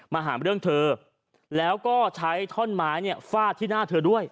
หาเรื่องเธอแล้วก็ใช้ท่อนไม้เนี่ยฟาดที่หน้าเธอด้วย